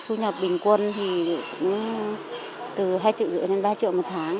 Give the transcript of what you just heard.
thu nhập bình quân thì cũng từ hai triệu rưỡi đến ba triệu một tháng